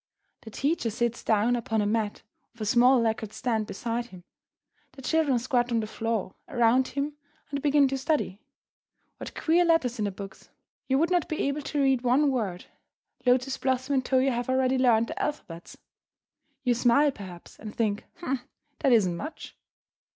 The teacher sits down upon a mat with a small lacquered stand beside him. The children squat on the floor around him and begin to study. What queer letters in the books! You would not be able to read one word. Lotus Blossom and Toyo have already learned their alphabets. You smile, perhaps, and think, "H'm! that isn't much."